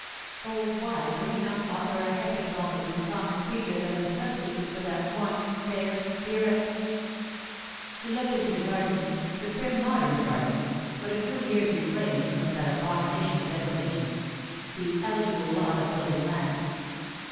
O, why could he not offer a hecatomb of these common creatures as a substitute for that one fair spirit? He looked into the garden the prim modern garden, but a few years reclaimed from that abomination of desolation, the "eligible lot of building land."